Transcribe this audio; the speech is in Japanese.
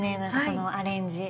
そのアレンジ。